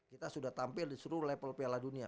kita sudah tampil di seluruh level piala dunia